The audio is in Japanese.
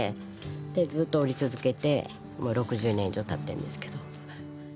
でずっと織り続けてもう６０年以上たってんですけど。